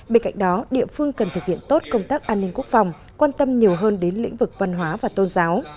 bên cạnh đó địa phương cần thực hiện tốt công tác an ninh quốc phòng quan tâm nhiều hơn đến lĩnh vực văn hóa và tôn giáo